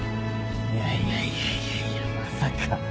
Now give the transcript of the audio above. いやいやいやいやいやまさか。